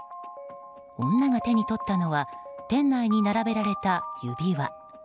女が手に取ったのは店内に並べられた指輪。